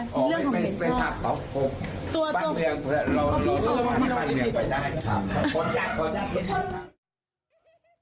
ที่เรื่องของเหตุชอบ